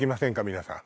皆さん。